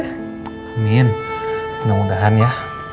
amin mudah mudahan ya